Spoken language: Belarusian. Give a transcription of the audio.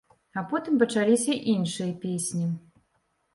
А потым пачаліся іншыя песні.